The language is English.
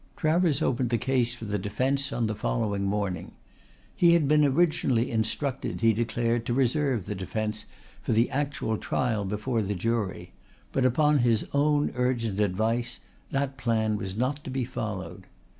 Travers opened the case for the defence on the following morning. He had been originally instructed, he declared, to reserve the defence for the actual trial before the jury, but upon his own urgent advice that plan was not to be followed.